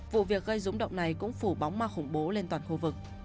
vụ việc gây rúng động này cũng phủ bóng ma khủng bố lên toàn khu vực